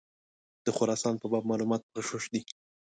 د خراسان په باب معلومات مغشوش دي.